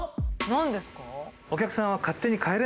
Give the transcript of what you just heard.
何ですか？